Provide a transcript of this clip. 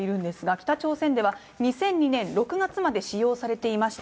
北朝鮮では、２００２年６月まで使用されていました。